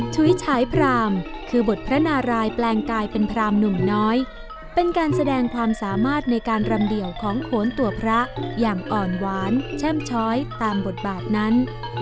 ฉุยฉายพรามคือบทพระนารายแปลงกายเป็นพรามหนุ่มน้อยเป็นการแสดงความสามารถในการรำเดี่ยวของโขนตัวพระอย่างอ่อนหวานแช่มช้อยตามบทบาทนั้น